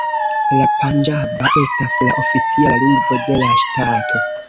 La panĝaba estas la oficiala lingvo de la ŝtato.